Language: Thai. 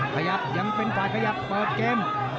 ขยับยังเป็นฝ่ายขยับเปิดเกม